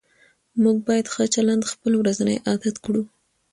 موږ باید ښه چلند خپل ورځنی عادت کړو